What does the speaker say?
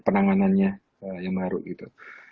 penanganannya yang baru gitu